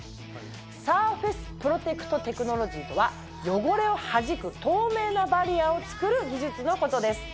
サーフェスプロテクトテクノロジーとは汚れをはじく透明なバリアをつくる技術のことです。